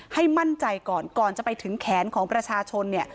ให้มั่นใจก่อนก่อนจะไปถึงแขนของประชาชนเนี่ย